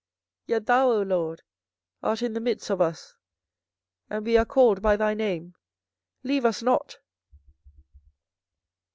yet thou, O LORD, art in the midst of us, and we are called by thy name; leave us not.